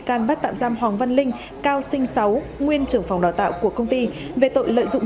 can bắt tạm giam hoàng văn linh cao sinh sáu nguyên trưởng phòng đào tạo của công ty về tội lợi dụng